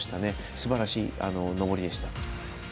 すばらしい登りでした。